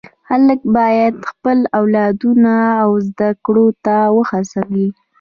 خلک باید خپل اولادونه و زده کړو ته و هڅوي.